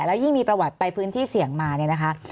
แล้วยิ่งมีประวัติไปพื้นที่เสี่ยงมาเนี่ยนะคะ